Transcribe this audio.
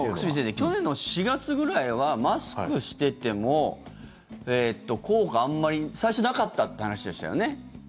去年の４月ぐらいはマスクしてても効果があんまり最初、なかったっていう話でしたよね。